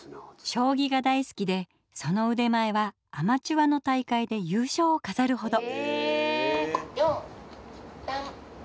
将棋が大好きでそのうでまえはアマチュアの大会で優勝をかざるほど。